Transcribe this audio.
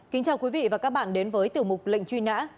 kính chào quý vị và các bạn đến với tiểu mục lệnh truy nã